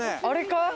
あれか？